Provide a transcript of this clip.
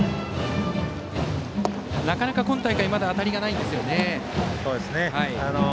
なかなか今大会まだ当たりがないんですよね。